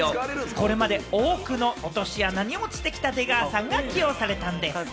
これまで多くの落とし穴に落ちてきた出川さんが起用されたんです。